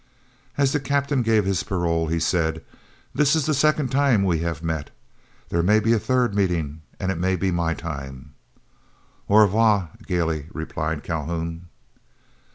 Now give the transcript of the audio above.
As the Captain gave his parole, he said, "This is the second time we have met. There may be a third meeting, and it may be my time." "Au revoir," gayly replied Calhoun.